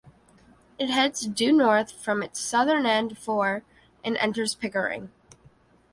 It heads due north from its southern end for and enters Pickering.